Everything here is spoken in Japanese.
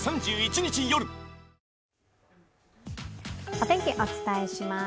お天気、お伝えします。